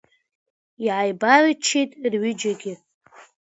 Иааибарччеит рҩыџьагьы.